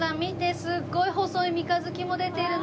すっごい細い三日月も出てるの。